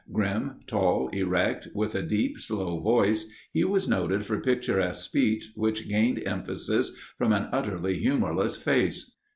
Grim, tall, erect, with a deep slow voice, he was noted for picturesque speech which gained emphasis from an utterly humorless face.